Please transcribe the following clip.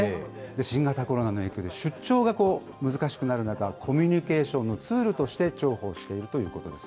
新型コロナの影響で出張が難しくなる中、コミュニケーションのツールとして重宝しているということです。